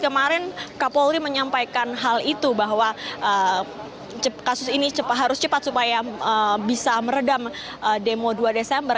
kemarin kapolri menyampaikan hal itu bahwa kasus ini harus cepat supaya bisa meredam demo dua desember